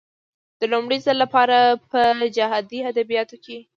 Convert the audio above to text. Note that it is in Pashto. د لومړي ځل لپاره په جهادي ادبياتو کې.